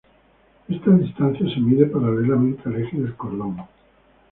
Esta distancia se mide paralelamente al eje del cordón.